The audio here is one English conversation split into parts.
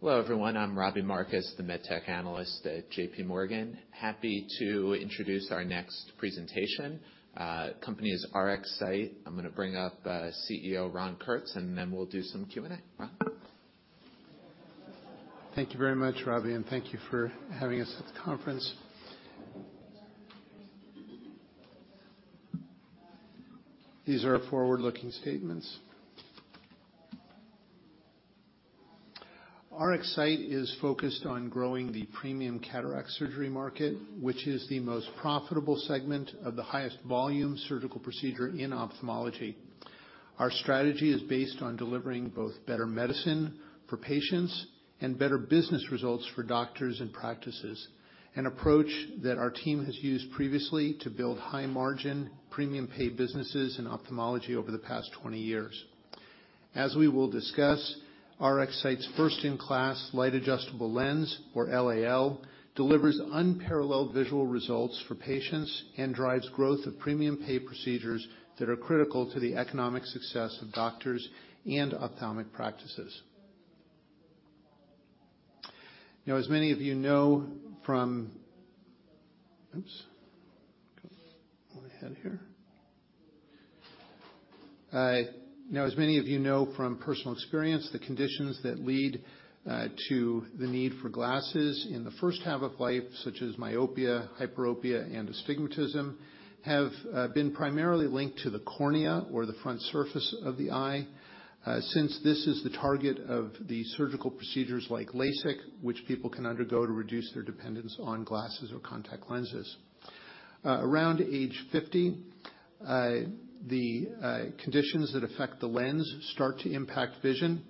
Hello, everyone. I'm Robbie Marcus, the med tech analyst at JPMorgan. Happy to introduce our next presentation. Company is RxSight. I'm gonna bring up CEO Ron Kurtz, and then we'll do some Q&A. Ron. Thank you very much, Robbie. Thank you for having us at the conference. These are forward-looking statements. RxSight is focused on growing the premium cataract surgery market, which is the most profitable segment of the highest volume surgical procedure in ophthalmology. Our strategy is based on delivering both better medicine for patients and better business results for doctors and practices, an approach that our team has used previously to build high margin, premium pay businesses in ophthalmology over the past 20 years. As we will discuss, RxSight's first-in-class Light Adjustable Lens, or LAL, delivers unparalleled visual results for patients and drives growth of premium pay procedures that are critical to the economic success of doctors and ophthalmic practices. As many of you know from Oops. Go ahead here. Now as many of you know from personal experience, the conditions that lead to the need for glasses in the first half of life, such as myopia, hyperopia, and astigmatism, have been primarily linked to the cornea or the front surface of the eye, since this is the target of the surgical procedures like LASIK, which people can undergo to reduce their dependence on glasses or contact lenses. Around age 50, the conditions that affect the lens start to impact vision.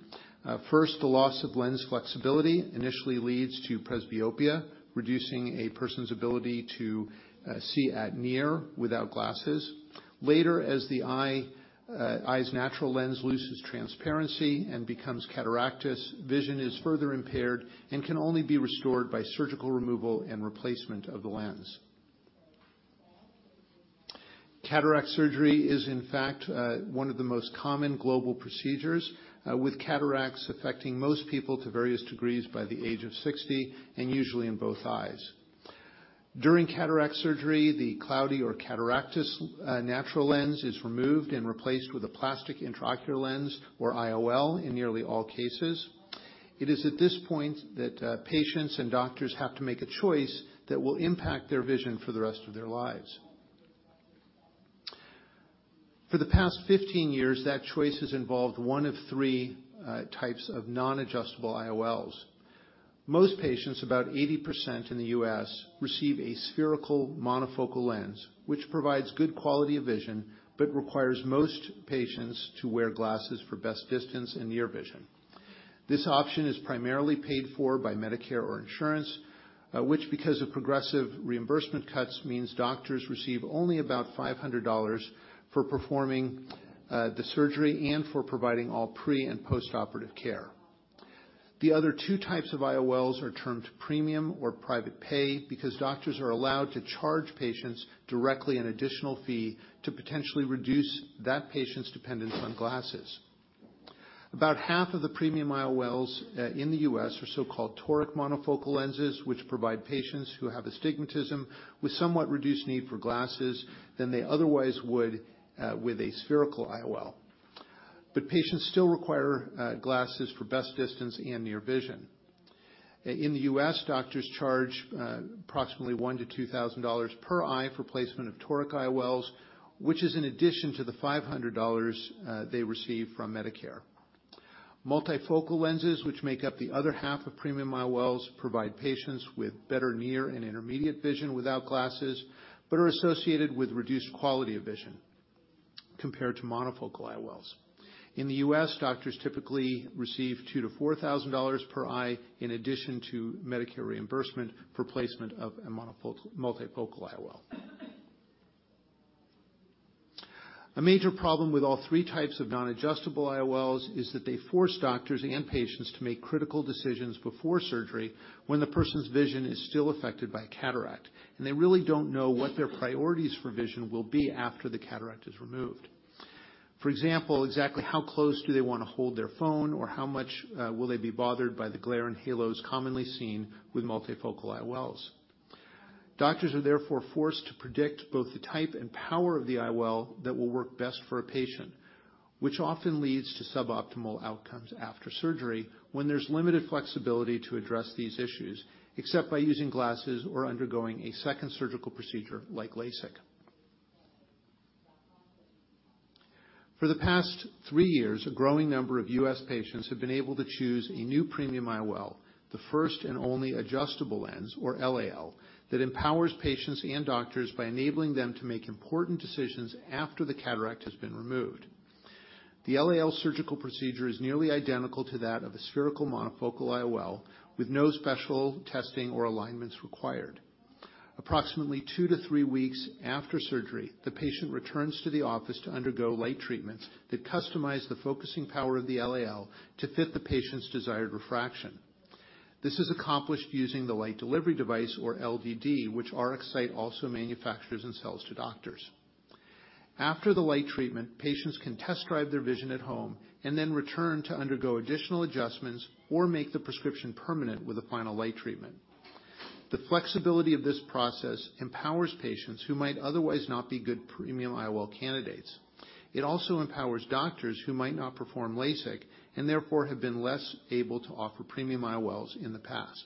First, the loss of lens flexibility initially leads to presbyopia, reducing a person's ability to see at near without glasses. Later, as the eye's natural lens loses transparency and becomes cataractous, vision is further impaired and can only be restored by surgical removal and replacement of the lens. Cataract surgery is, in fact, one of the most common global procedures, with cataracts affecting most people to various degrees by the age of 60, and usually in both eyes. During cataract surgery, the cloudy or cataractous natural lens is removed and replaced with a plastic intraocular lens or IOL in nearly all cases. It is at this point that patients and doctors have to make a choice that will impact their vision for the rest of their lives. For the past 15 years, that choice has involved one of three types of non-adjustable IOLs. Most patients, about 80% in the U.S., receive a spherical monofocal lens, which provides good quality of vision, but requires most patients to wear glasses for best distance and near vision. This option is primarily paid for by Medicare or insurance, which because of progressive reimbursement cuts means doctors receive only about $500 for performing the surgery and for providing all pre and post-operative care. The other two types of IOLs are termed premium or private pay because doctors are allowed to charge patients directly an additional fee to potentially reduce that patient's dependence on glasses. About half of the premium IOLs in the U.S. are so-called toric monofocal lenses, which provide patients who have astigmatism with somewhat reduced need for glasses than they otherwise would with a spherical IOL. Patients still require glasses for best distance and near vision. In the U.S., doctors charge approximately $1,000-$2,000 per eye for placement of toric IOLs, which is in addition to the $500 they receive from Medicare. Multifocal lenses, which make up the other half of premium IOLs, provide patients with better near and intermediate vision without glasses, but are associated with reduced quality of vision compared to monofocal IOLs. In the U.S., doctors typically receive $2,000-$4,000 per eye in addition to Medicare reimbursement for placement of a multifocal IOL. A major problem with all three types of non-adjustable IOLs is that they force doctors and patients to make critical decisions before surgery when the person's vision is still affected by a cataract, and they really don't know what their priorities for vision will be after the cataract is removed. For example, exactly how close do they wanna hold their phone, or how much will they be bothered by the glare and halos commonly seen with multifocal IOLs? Doctors are therefore forced to predict both the type and power of the IOL that will work best for a patient, which often leads to suboptimal outcomes after surgery when there's limited flexibility to address these issues, except by using glasses or undergoing a second surgical procedure like LASIK. For the past three years, a growing number of U.S. patients have been able to choose a new premium IOL, the first and only adjustable lens, or LAL, that empowers patients and doctors by enabling them to make important decisions after the cataract has been removed. The LAL surgical procedure is nearly identical to that of a spherical monofocal IOL with no special testing or alignments required. Approximately two to three weeks after surgery, the patient returns to the office to undergo light treatments that customize the focusing power of the LAL to fit the patient's desired refraction. This is accomplished using the Light Delivery Device or LDD, which RxSight also manufactures and sells to doctors. After the light treatment, patients can test drive their vision at home and then return to undergo additional adjustments or make the prescription permanent with a final light treatment. The flexibility of this process empowers patients who might otherwise not be good premium IOL candidates. It also empowers doctors who might not perform LASIK, and therefore have been less able to offer premium IOLs in the past.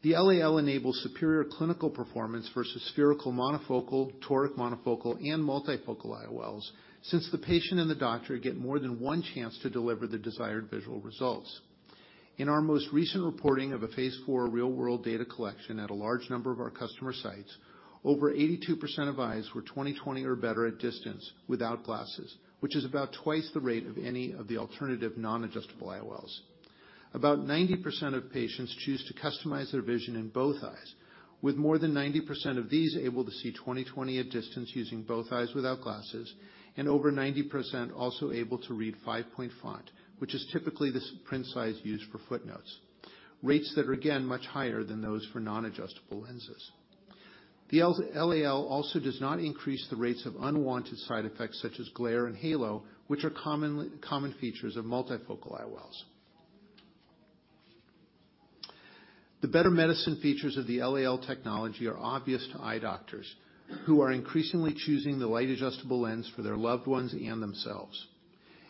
The LAL enables superior clinical performance versus spherical monofocal, toric monofocal, and multifocal IOLs, since the patient and the doctor get more than one chance to deliver the desired visual results. In our most recent reporting of a Phase IV real-world data collection at a large number of our customer sites, over 82% of eyes were 20/20 or better at distance without glasses, which is about twice the rate of any of the alternative non-adjustable IOLs. About 90% of patients choose to customize their vision in both eyes, with more than 90% of these able to see 20/20 at distance using both eyes without glasses, and over 90% also able to read five point font, which is typically this print size used for footnotes. Rates that are, again, much higher than those for non-adjustable lenses. The LAL also does not increase the rates of unwanted side effects such as glare and halo, which are common features of multifocal IOLs. The better medicine features of the LAL technology are obvious to eye doctors who are increasingly choosing the Light Adjustable Lens for their loved ones and themselves.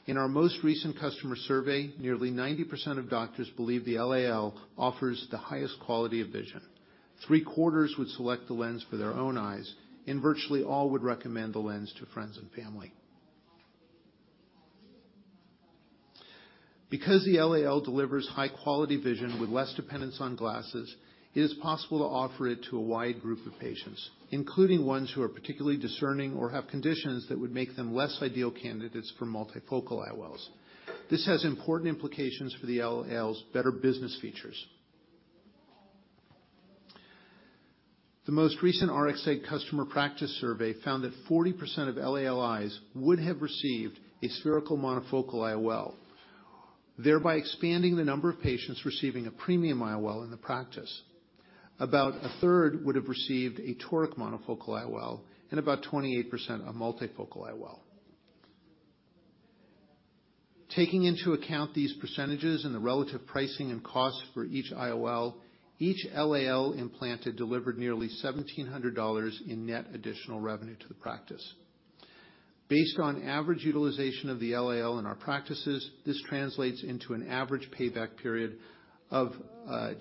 In our most recent customer survey, nearly 90% of doctors believe the LAL offers the highest quality of vision. Three-quarters would select the lens for their own eyes, and virtually all would recommend the lens to friends and family. Because the LAL delivers high-quality vision with less dependence on glasses, it is possible to offer it to a wide group of patients, including ones who are particularly discerning or have conditions that would make them less ideal candidates for multifocal IOLs. This has important implications for the LAL's better business features. The most recent RxSight customer practice survey found that 40% of LAL eyes would have received a spherical monofocal IOL, thereby expanding the number of patients receiving a premium IOL in the practice. About 1/3 would have received a toric monofocal IOL, and about 28% a multifocal IOL. Taking into account these percentages and the relative pricing and costs for each IOL, each LAL implanted delivered nearly $1,700 in net additional revenue to the practice. Based on average utilization of the LAL in our practices, this translates into an average payback period of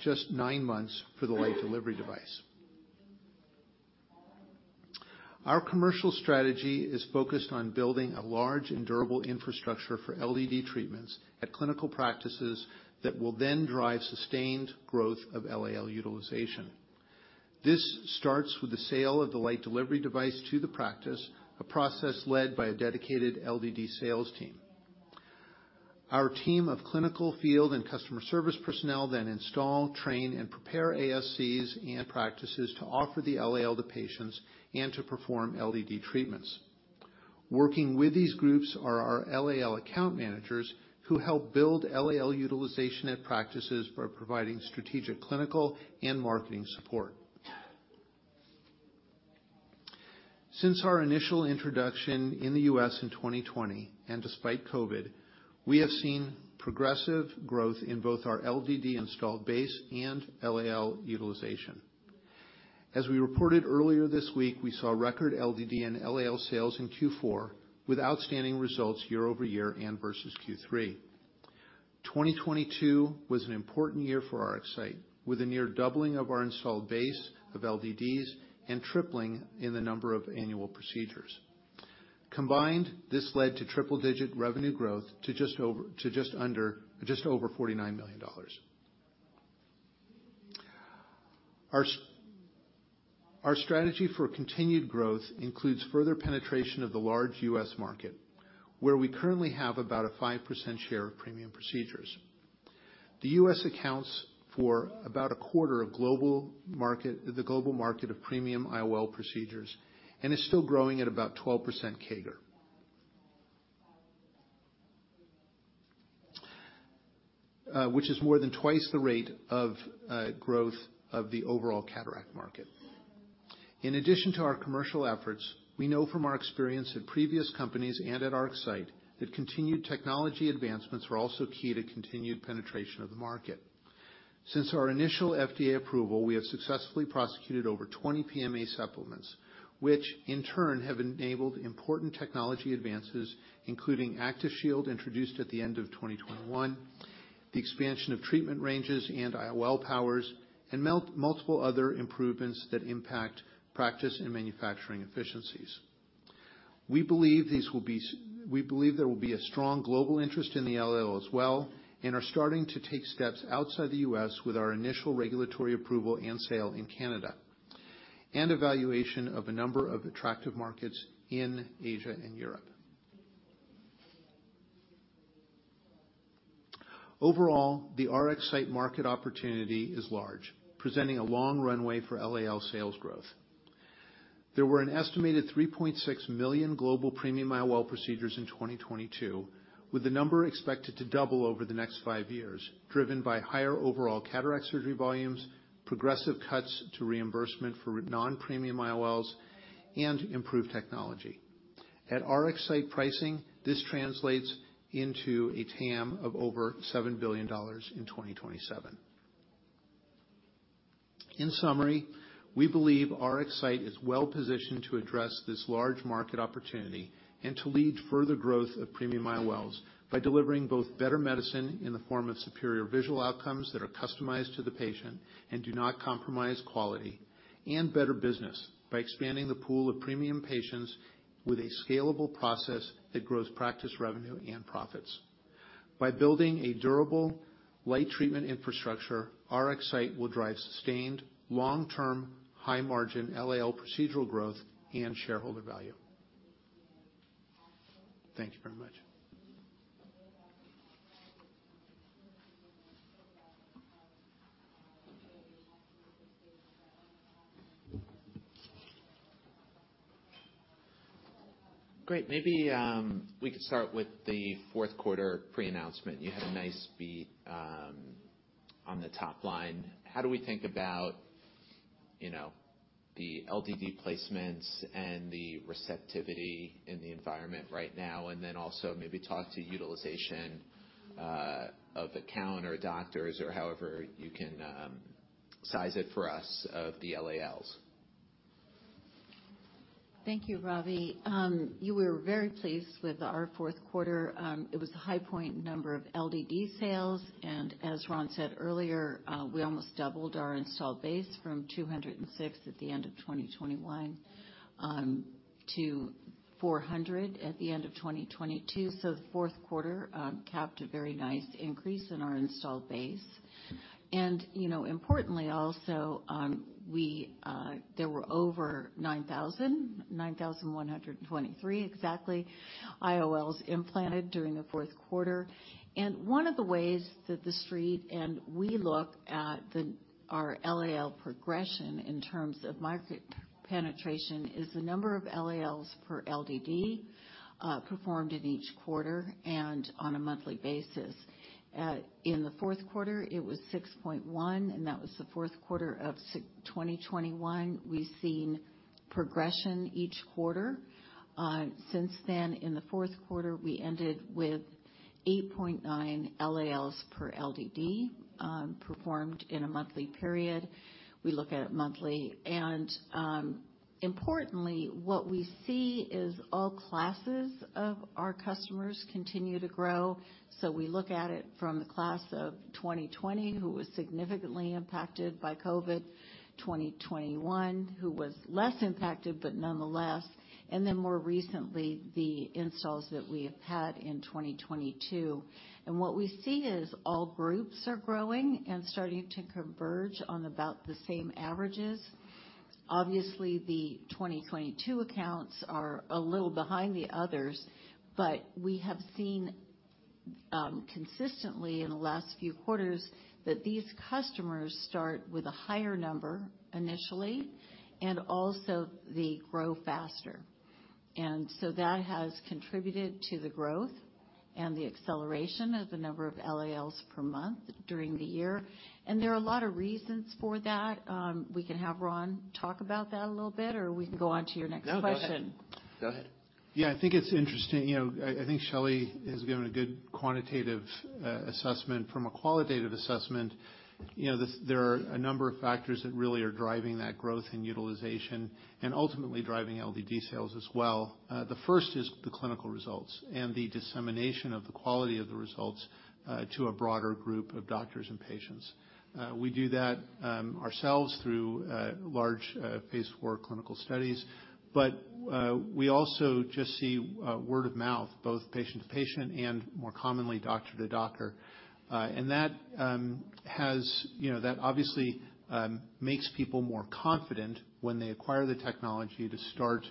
just nine months for the Light Delivery Device. Our commercial strategy is focused on building a large and durable infrastructure for LDD treatments at clinical practices that will then drive sustained growth of LAL utilization. This starts with the sale of the Light Delivery Device to the practice, a process led by a dedicated LDD sales team. Our team of clinical, field, and customer service personnel then install, train, and prepare ASCs and practices to offer the LAL to patients and to perform LDD treatments. Working with these groups are our LAL account managers, who help build LAL utilization at practices by providing strategic, clinical, and marketing support. Since our initial introduction in the U.S. in 2020, and despite COVID, we have seen progressive growth in both our LDD installed base and LAL utilization. As we reported earlier this week, we saw record LDD and LAL sales in Q4 with outstanding results year-over-year and versus Q3. 2022 was an important year for RxSight, with a near doubling of our installed base of LDDs and tripling in the number of annual procedures. Combined, this led to triple-digit revenue growth to just over $49 million. Our strategy for continued growth includes further penetration of the large U.S. market, where we currently have about a 5% share of premium procedures. The U.S. accounts for about 1/4 of the global market of premium IOL procedures and is still growing at about 12% CAGR, which is more than twice the rate of growth of the overall cataract market. In addition to our commercial efforts, we know from our experience at previous companies and at RxSight that continued technology advancements were also key to continued penetration of the market. Since our initial FDA approval, we have successfully prosecuted over 20 PMA supplements, which in turn have enabled important technology advances, including ActiveShield, introduced at the end of 2021, the expansion of treatment ranges and IOL powers, and multiple other improvements that impact practice and manufacturing efficiencies. We believe there will be a strong global interest in the LAL as well and are starting to take steps outside the U.S. with our initial regulatory approval and sale in Canada, and evaluation of a number of attractive markets in Asia and Europe. Overall, the RxSight market opportunity is large, presenting a long runway for LAL sales growth. There were an estimated 3.6 million global premium IOL procedures in 2022, with the number expected to double over the next five years, driven by higher overall cataract surgery volumes, progressive cuts to reimbursement for non-premium IOLs, and improved technology. At RxSight pricing, this translates into a TAM of over $7 billion in 2027. In summary, we believe RxSight is well-positioned to address this large market opportunity and to lead further growth of premium IOLs by delivering both better medicine in the form of superior visual outcomes that are customized to the patient and do not compromise quality, and better business by expanding the pool of premium patients with a scalable process that grows practice revenue and profits. By building a durable light treatment infrastructure, RxSight will drive sustained long-term high margin LAL procedural growth and shareholder value. Thank you very much. Great. Maybe, we could start with the fourth quarter pre-announcement. You had a nice beat on the top line. How do we think about, you know, the LDD placements and the receptivity in the environment right now, and then also maybe talk to utilization, of account or doctors or however you can, size it for us of the LALs? Thank you, Robbie. You were very pleased with our fourth quarter. It was the high point number of LDD sales. As Ron said earlier, we almost doubled our installed base from 206 at the end of 2021 to 400 at the end of 2022. The fourth quarter capped a very nice increase in our installed base. You know, importantly also, there were over 9,123 exactly IOLs implanted during the fourth quarter. One of the ways that the Street and we look at the, our LAL progression in terms of market penetration is the number of LALs per LDD performed in each quarter and on a monthly basis. In the fourth quarter, it was 6.1, and that was the fourth quarter of 2021. We've seen progression each quarter. Since then, in the fourth quarter, we ended with 8.9 LALs per LDD performed in a monthly period. We look at it monthly, and importantly, what we see is all classes of our customers continue to grow. We look at it from the class of 2020, who was significantly impacted by COVID, 2021, who was less impacted, but nonetheless, and then more recently, the installs that we have had in 2022. What we see is all groups are growing and starting to converge on about the same averages. Obviously, the 2022 accounts are a little behind the others, but we have seen, consistently in the last few quarters that these customers start with a higher number initially, and also they grow faster. That has contributed to the growth and the acceleration of the number of LALs per month during the year. There are a lot of reasons for that. We can have Ron talk about that a little bit, or we can go on to your next question. No, go ahead. Go ahead. I think it's interesting. You know, I think Shelley has given a good quantitative assessment. From a qualitative assessment, you know, there are a number of factors that really are driving that growth in utilization and ultimately driving LDD sales as well. The first is the clinical results and the dissemination of the quality of the results to a broader group of doctors and patients. We do that ourselves through large phase IV clinical studies, but we also just see word of mouth, both patient to patient and more commonly doctor to doctor. That has, you know, that obviously, makes people more confident when they acquire the technology to start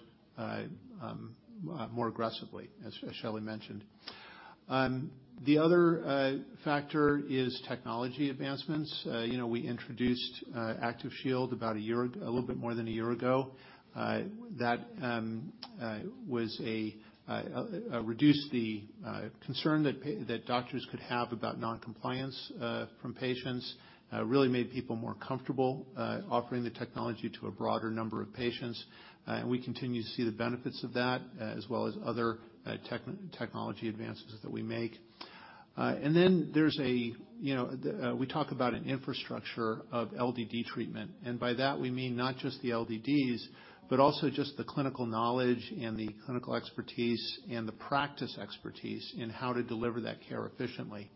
more aggressively, as Shelley mentioned. The other factor is technology advancements. You know, we introduced ActiveShield about a year ago, a little bit more than a year ago. That was a reduced the concern that doctors could have about non-compliance from patients, really made people more comfortable offering the technology to a broader number of patients. We continue to see the benefits of that, as well as other technology advances that we make. There's a, you know, the, we talk about an infrastructure of LDD treatment, and by that we mean not just the LDDs, but also just the clinical knowledge and the clinical expertise and the practice expertise in how to deliver that care efficiently.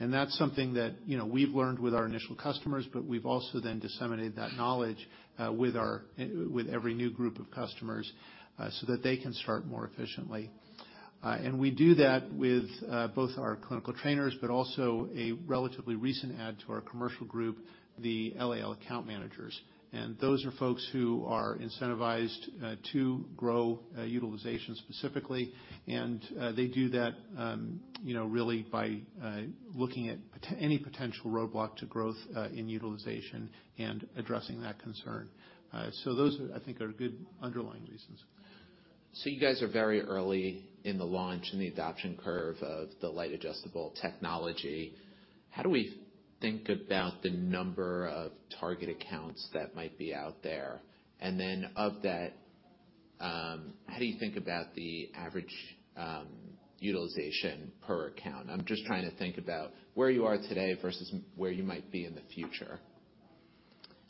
That's something that, you know, we've learned with our initial customers, but we've also then disseminated that knowledge, with our, with every new group of customers, so that they can start more efficiently. We do that with, both our clinical trainers but also a relatively recent add to our commercial group, the LAL account managers. Those are folks who are incentivized, to grow, utilization specifically. They do that, you know, really by, looking at any potential roadblock to growth, in utilization and addressing that concern. Those are, I think are good underlying reasons. You guys are very early in the launch and the adoption curve of the Light Adjustable technology. How do we think about the number of target accounts that might be out there? Of that, how do you think about the average utilization per account? I'm just trying to think about where you are today versus where you might be in the future.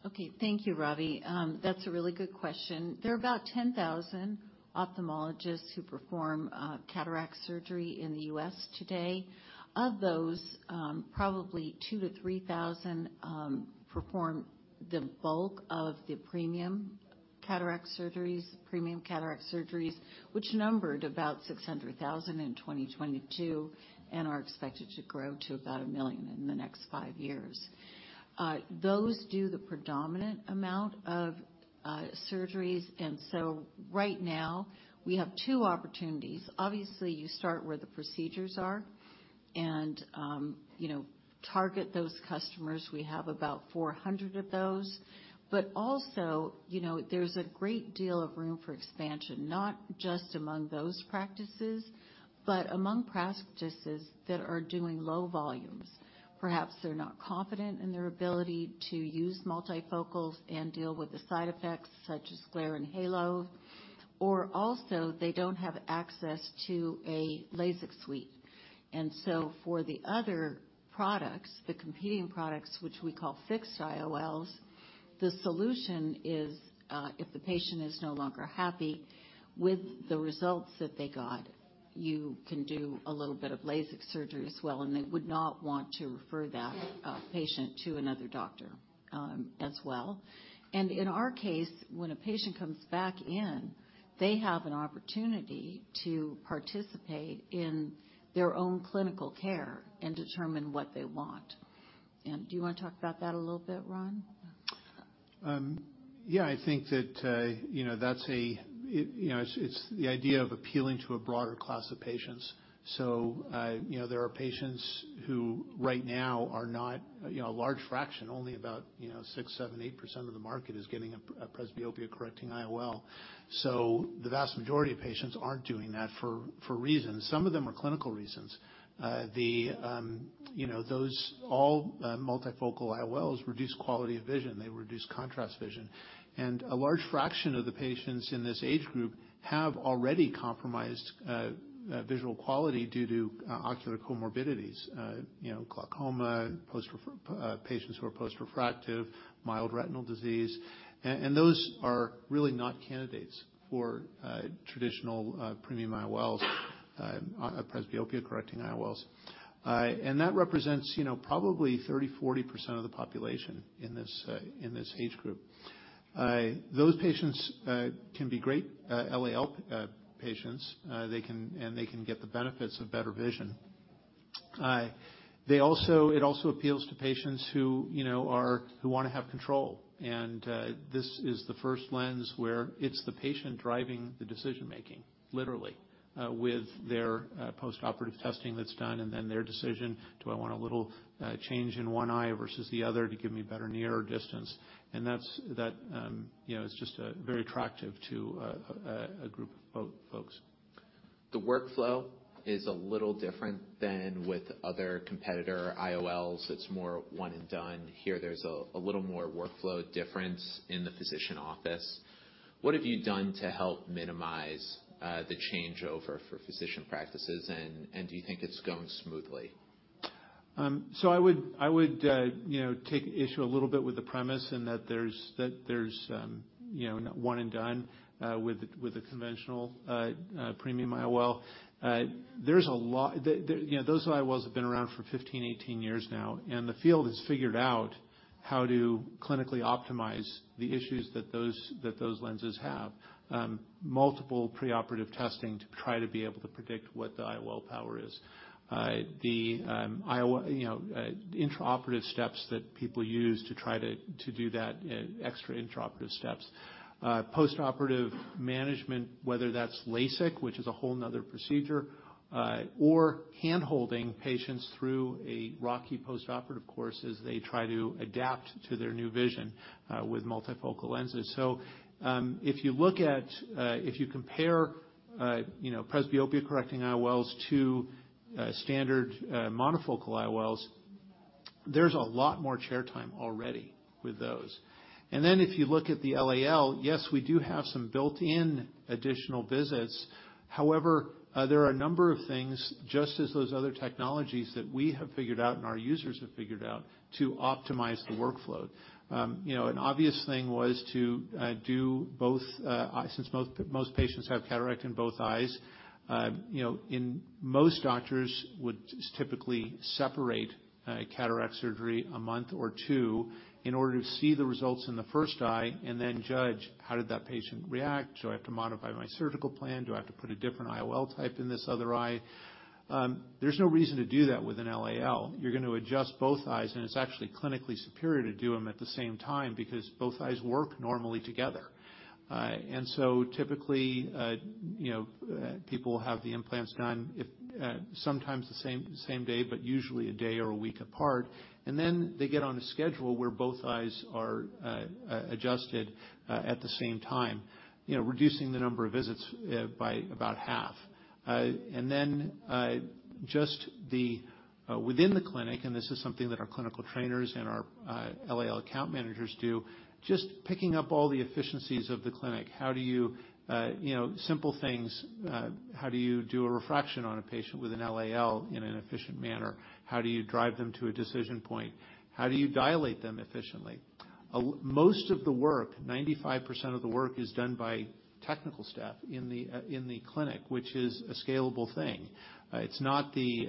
Okay. Thank you, Robbie. That's a really good question. There are about 10,000 ophthalmologists who perform cataract surgery in the US today. Of those, probably 2,000-3,000 perform the bulk of the premium cataract surgeries, which numbered about 600,000 in 2022 and are expected to grow to about 1 million in the next five years. Those do the predominant amount of surgeries. Right now we have two opportunities. Obviously, you start where the procedures are and, you know, target those customers. We have about 400 of those. Also, you know, there's a great deal of room for expansion, not just among those practices, but among practices that are doing low volumes. Perhaps they're not confident in their ability to use multifocals and deal with the side effects such as glare and halo, or also they don't have access to a LASIK suite. For the other products, the competing products, which we call fixed IOLs, the solution is, if the patient is no longer happy with the results that they got, you can do a little bit of LASIK surgery as well, and they would not want to refer that patient to another doctor as well. In our case, when a patient comes back in, they have an opportunity to participate in their own clinical care and determine what they want. Do you want to talk about that a little bit, Ron? Yeah, I think that, you know, it's the idea of appealing to a broader class of patients. There are patients who right now are not a large fraction, only about 6%, 7%, 8% of the market is getting a presbyopia-correcting IOL. The vast majority of patients aren't doing that for reasons. Some of them are clinical reasons. The multifocal IOLs reduce quality of vision. They reduce contrast vision. A large fraction of the patients in this age group have already compromised visual quality due to ocular comorbidities, glaucoma, patients who are post-refractive, mild retinal disease. Those are really not candidates for traditional premium IOLs, presbyopia-correcting IOLs. That represents, you know, probably 30%-40% of the population in this age group. Those patients can be great LAL patients. They can get the benefits of better vision. It also appeals to patients who, you know, wanna have control. This is the first lens where it's the patient driving the decision-making, literally, with their postoperative testing that's done, and then their decision, do I want a little change in one eye versus the other to give me better near or distance? That's, you know, is just very attractive to a group of folks. The workflow is a little different than with other competitor IOLs. It's more one and done. Here there's a little more workflow difference in the physician office. What have you done to help minimize the changeover for physician practices? Do you think it's going smoothly? I would, you know, take issue a little bit with the premise in that there's, you know, one and done, with a conventional, premium IOL. There's a lot. You know, those IOLs have been around for 15, 18 years now, and the field has figured out how to clinically optimize the issues that those lenses have. Multiple preoperative testing to try to be able to predict what the IOL power is. The, you know, intraoperative steps that people use to try to do that, extra intraoperative steps. Postoperative management, whether that's LASIK, which is a whole nother procedure, or handholding patients through a rocky postoperative course as they try to adapt to their new vision, with multifocal lenses. If you look at, if you compare, you know, presbyopia-correcting IOLs to standard monofocal IOLs, there's a lot more chair time already with those. If you look at the LAL, yes, we do have some built-in additional visits. However, there are a number of things, just as those other technologies that we have figured out and our users have figured out to optimize the workflow. You know, an obvious thing was to do both, since most patients have cataract in both eyes, you know, and most doctors would typically separate cataract surgery a month or two in order to see the results in the first eye and then judge how did that patient react? Do I have to modify my surgical plan? Do I have to put a different IOL type in this other eye? There's no reason to do that with an LAL. You're gonna adjust both eyes, and it's actually clinically superior to do them at the same time because both eyes work normally together. Typically, you know, people have the implants done if sometimes the same day, but usually a day or a week apart. Then they get on a schedule where both eyes are adjusted at the same time, you know, reducing the number of visits by about half. Then, just the within the clinic, and this is something that our clinical trainers and our LAL account managers do, just picking up all the efficiencies of the clinic. How do you know, simple things, how do you do a refraction on a patient with an LAL in an efficient manner? How do you drive them to a decision point? How do you dilate them efficiently? Most of the work, 95% of the work is done by technical staff in the clinic, which is a scalable thing. It's not the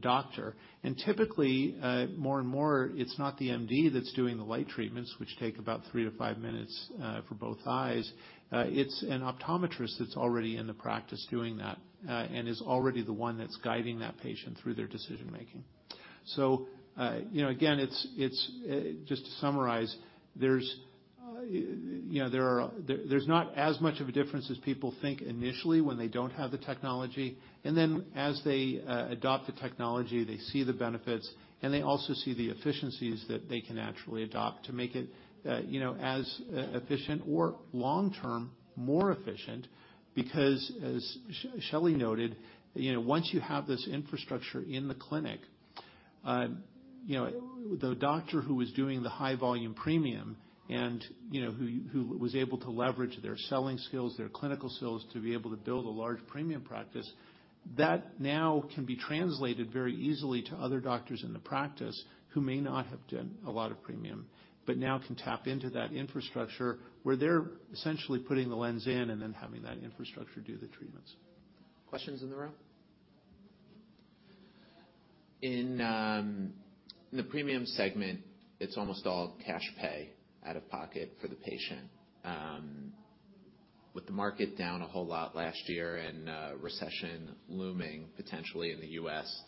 doctor. Typically, more and more, it's not the MD that's doing the light treatments, which take about three to five minutes for both eyes. It's an optometrist that's already in the practice doing that and is already the one that's guiding that patient through their decision-making. You know, again, it's just to summarize, there's, you know, there's not as much of a difference as people think initially when they don't have the technology. As they adopt the technology, they see the benefits, and they also see the efficiencies that they can actually adopt to make it, you know, as efficient or long-term, more efficient. As Shelly noted, you know, once you have this infrastructure in the clinic, you know, the doctor who was doing the high volume premium and, you know, who was able to leverage their selling skills, their clinical skills to be able to build a large premium practice, that now can be translated very easily to other doctors in the practice who may not have done a lot of premium, but now can tap into that infrastructure where they're essentially putting the lens in and then having that infrastructure do the treatments. Questions in the room? In, in the premium segment, it's almost all cash pay out of pocket for the patient. With the market down a whole lot last year and, recession looming potentially in the U.S.,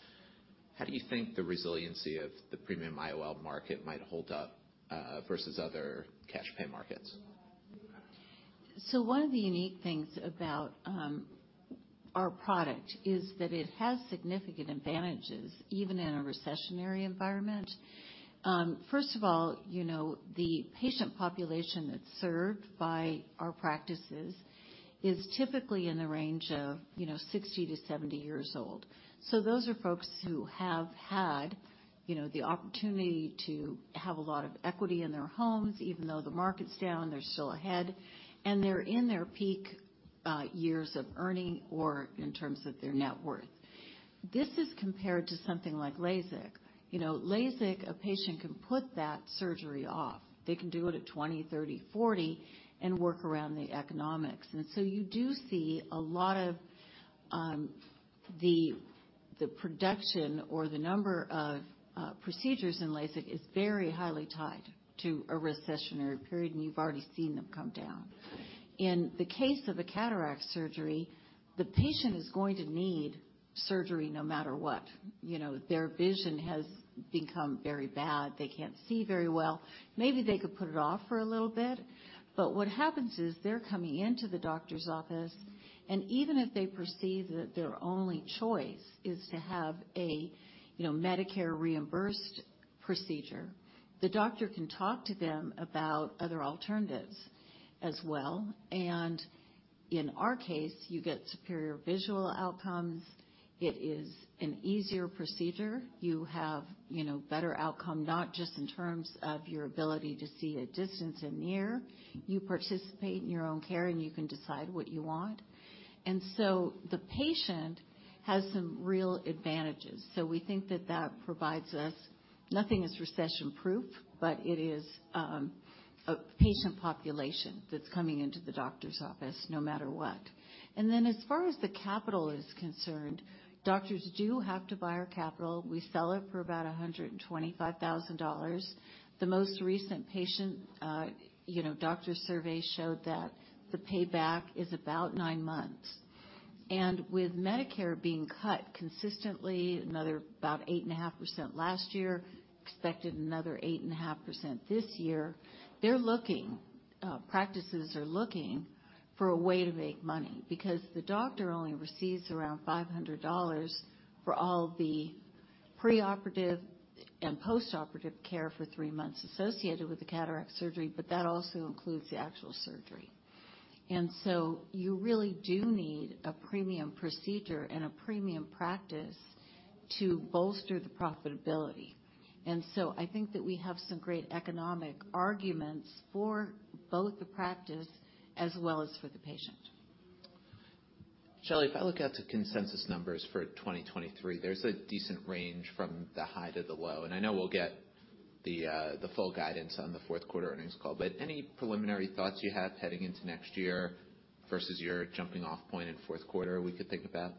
how do you think the resiliency of the premium IOL market might hold up, versus other cash pay markets? One of the unique things about our product is that it has significant advantages, even in a recessionary environment. First of all, you know, the patient population that's served by our practices is typically in the range of, you know, 60 to 70 years old. Those are folks who have had, you know, the opportunity to have a lot of equity in their homes, even though the market's down, they're still ahead, and they're in their peak years of earning or in terms of their net worth. This is compared to something like LASIK. You know, LASIK, a patient can put that surgery off. They can do it at 20, 30, 40 and work around the economics. You do see a lot of the production or the number of procedures in LASIK is very highly tied to a recessionary period, and you've already seen them come down. In the case of a cataract surgery, the patient is going to need surgery no matter what. You know, their vision has become very bad. They can't see very well. Maybe they could put it off for a little bit. What happens is they're coming into the doctor's office, and even if they perceive that their only choice is to have a, you know, Medicare reimbursed procedure, the doctor can talk to them about other alternatives as well. In our case, you get superior visual outcomes. It is an easier procedure. You have, you know, better outcome, not just in terms of your ability to see a distance and near. You participate in your own care, and you can decide what you want. The patient has some real advantages. We think that that provides us, nothing is recession-proof, but it is a patient population that's coming into the doctor's office no matter what. As far as the capital is concerned, doctors do have to buy our capital. We sell it for about $125,000. The most recent patient, you know, doctor survey showed that the payback is about 9 months. With Medicare being cut consistently, another about 8.5% last year, expected another 8.5% this year, they're looking, practices are looking for a way to make money because the doctor only receives around $500 for all the preoperative and postoperative care for three months associated with the cataract surgery, but that also includes the actual surgery. You really do need a premium procedure and a premium practice to bolster the profitability. I think that we have some great economic arguments for both the practice as well as for the patient. Shelly, if I look at the consensus numbers for 2023, there's a decent range from the high to the low, and I know we'll get the full guidance on the fourth quarter earnings call. Any preliminary thoughts you have heading into next year versus your jumping off point in fourth quarter we could think about?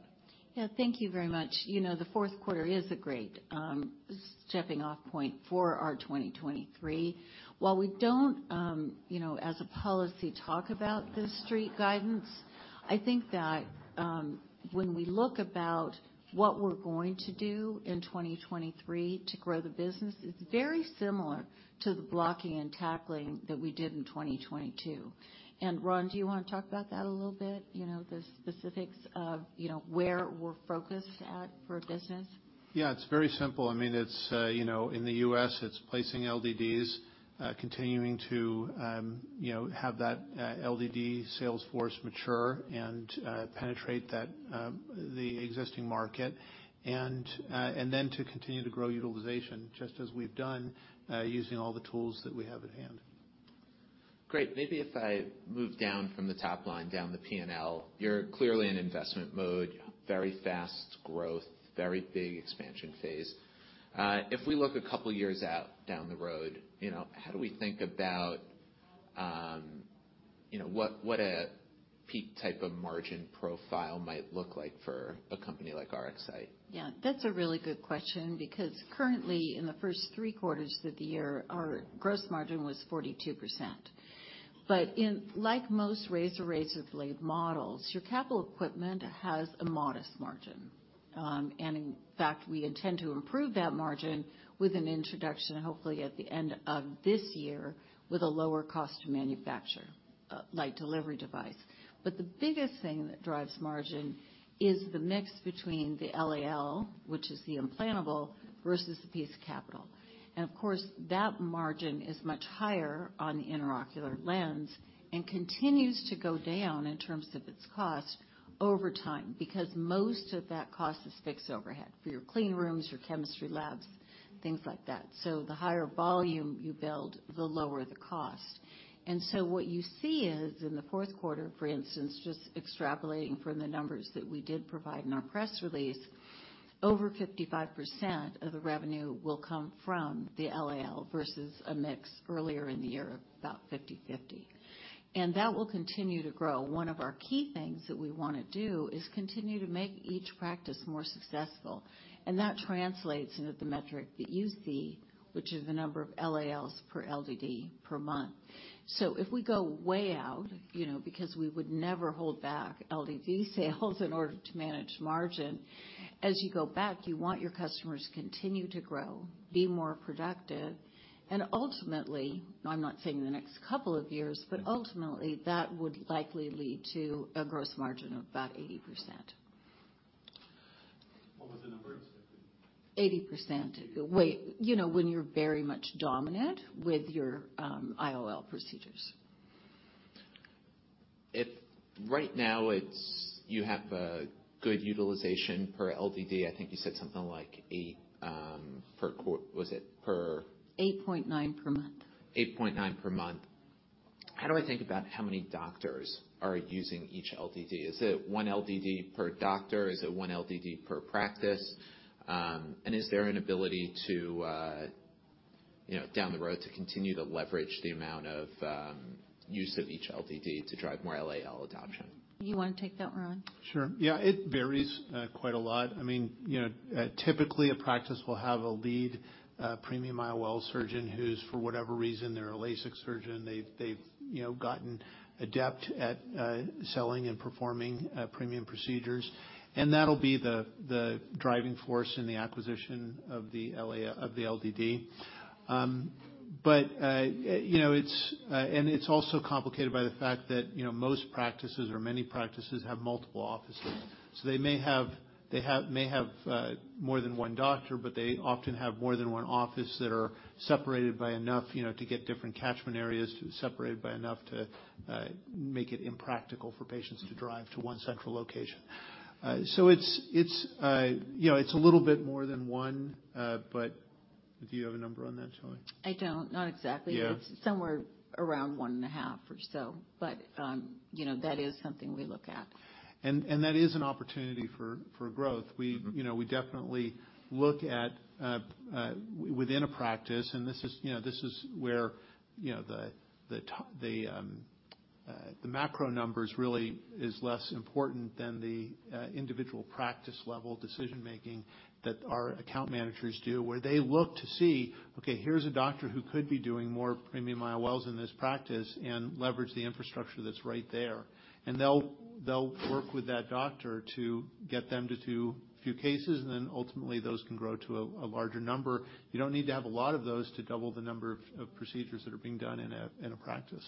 Yeah. Thank you very much. You know, the fourth quarter is a great stepping off point for our 2023. While we don't, you know, as a policy talk about the street guidance, I think that when we look about what we're going to do in 2023 to grow the business, it's very similar to the blocking and tackling that we did in 2022. Ron, do you wanna talk about that a little bit, you know, the specifics of, you know, where we're focused at for business? Yeah. It's very simple. I mean, it's, you know, in the U.S., it's placing LDDs, continuing to, you know, have that LDD sales force mature and penetrate that the existing market, and then to continue to grow utilization just as we've done, using all the tools that we have at hand. Great. Maybe if I move down from the top line, down the P&L, you're clearly in investment mode, very fast growth, very big expansion phase. If we look 2 years out down the road, you know, how do we think about, you know, what a peak type of margin profile might look like for a company like RXST? Yeah. That's a really good question because currently in the first three quarters of the year, our gross margin was 42%. Like most razor-razor blade models your capital equipment has a modest margin. In fact, we intend to improve that margin with an introduction, hopefully at the end of this year, with a lower cost to manufacture, Light Delivery Device. The biggest thing that drives margin is the mix between the LAL, which is the implantable, versus the piece of capital. Of course, that margin is much higher on the intraocular lens and continues to go down in terms of its cost over time, because most of that cost is fixed overhead for your clean rooms, your chemistry labs, things like that. The higher volume you build, the lower the cost. What you see is in the fourth quarter, for instance, just extrapolating from the numbers that we did provide in our press release, over 55% of the revenue will come from the LAL versus a mix earlier in the year of about 50/50. That will continue to grow. One of our key things that we wanna do is continue to make each practice more successful, and that translates into the metric that you see, which is the number of LALs per LDD per month. If we go way out, you know, because we would never hold back LDD sales in order to manage margin. As you go back, you want your customers to continue to grow, be more productive, and ultimately, now I'm not saying the next couple of years, but ultimately, that would likely lead to a gross margin of about 80%. What was the number you said? 80%. Way... You know, when you're very much dominant with your, IOL procedures. If right now it's you have a good utilization per LDD, I think you said something like 8. 8.9 per month. 8.9 per month. How do I think about how many doctors are using each LDD? Is it one LDD per doctor? Is it one LDD per practice? Is there an ability to, you know, down the road to continue to leverage the amount of use of each LDD to drive more LAL adoption? You wanna take that, Ron? Sure. Yeah. It varies quite a lot. I mean, you know, typically, a practice will have a lead, premium IOL surgeon who's, for whatever reason, they're a LASIK surgeon. They've, you know, gotten adept at selling and performing premium procedures. That'll be the driving force in the acquisition of the LDD. You know, it's and it's also complicated by the fact that, you know, most practices or many practices have multiple offices. They may have more than one doctor, but they often have more than one office that are separated by enough, you know, to get different catchment areas, separated by enough to make it impractical for patients to drive to one central location. It's, it's, you know, it's a little bit more than one. Do you have a number on that, Shelly? I don't. Not exactly. Yeah. It's somewhere around one and a half or so. You know, that is something we look at. That is an opportunity for growth. Mm-hmm. You know, we definitely look at, within a practice, and this is, you know, this is where, you know, the macro numbers really is less important than the individual practice level decision-making that our account managers do, where they look to see, okay, here's a doctor who could be doing more premium IOLs in this practice and leverage the infrastructure that's right there. They'll work with that doctor to get them to do a few cases, and then ultimately those can grow to a larger number. You don't need to have a lot of those to double the number of procedures that are being done in a practice.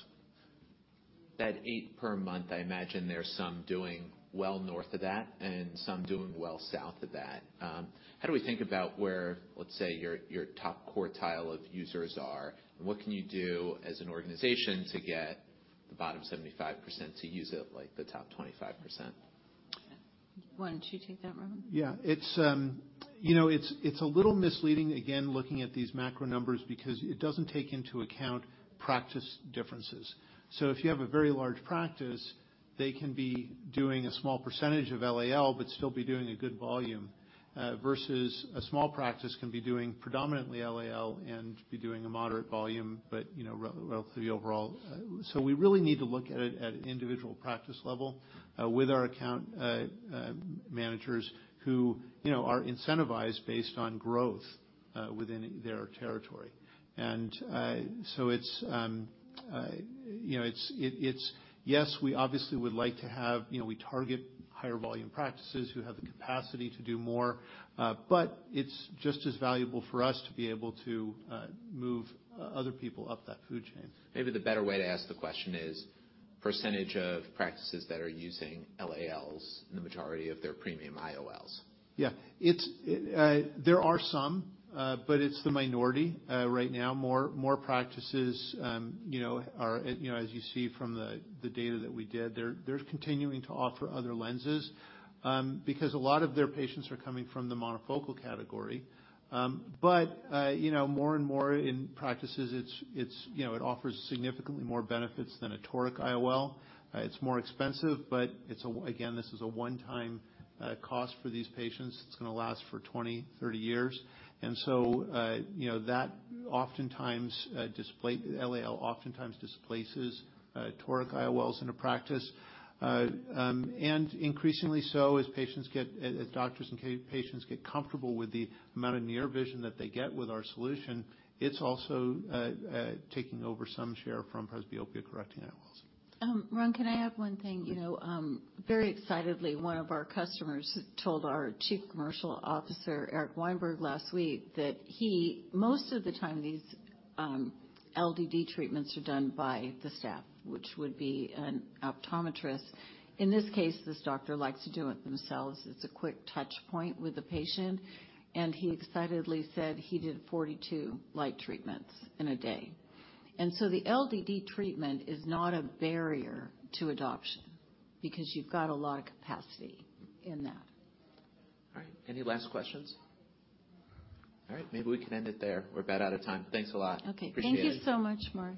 That 8 per month, I imagine there's some doing well north of that and some doing well south of that. How do we think about where, let's say, your top quartile of users are? What can you do as an organization to get the bottom 75% to use it like the top 25%? Why don't you take that, Ron? It's, you know, it's a little misleading, again, looking at these macro numbers because it doesn't take into account practice differences. If you have a very large practice, they can be doing a small percentage of LAL, but still be doing a good volume, versus a small practice can be doing predominantly LAL and be doing a moderate volume, but, you know, relatively overall. We really need to look at it at an individual practice level, with our account managers who, you know, are incentivized based on growth within their territory. It's, you know, it's, yes, we obviously would like to have, you know, we target higher volume practices who have the capacity to do more, but it's just as valuable for us to be able to move other people up that food chain. Maybe the better way to ask the question is % of practices that are using LALs in the majority of their premium IOLs. Yeah. It's, there are some, but it's the minority right now. More practices, you know, are, you know, as you see from the data that we did, they're continuing to offer other lenses because a lot of their patients are coming from the monofocal category. You know, more and more in practices, it's, you know, it offers significantly more benefits than a toric IOL. It's more expensive, but it's a... Again, this is a one-time cost for these patients. It's gonna last for 20, 30 years. You know, that oftentimes LAL oftentimes displaces toric IOLs in a practice. Increasingly so as patients get, as doctors and patients get comfortable with the amount of near vision that they get with our solution, it's also taking over some share from presbyopia-correcting IOLs. Ron, can I add one thing? You know, very excitedly, one of our customers told our Chief Commercial Officer, Eric Weinberg, last week that Most of the time, these LDD treatments are done by the staff, which would be an optometrist. In this case, this doctor likes to do it themselves. It's a quick touch point with the patient, and he excitedly said he did 42 light treatments in a day. The LDD treatment is not a barrier to adoption because you've got a lot of capacity in that. All right. Any last questions? All right. Maybe we can end it there. We're about out of time. Thanks a lot. Okay. Appreciate it. Thank you so much, Mark.